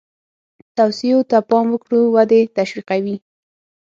توصیو ته پام وکړو ودې تشویقوي.